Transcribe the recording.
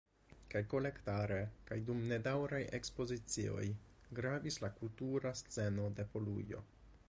Kaj kolektare kaj dum nedaŭraj ekspozicioj gravis la kultura sceno de Polujo.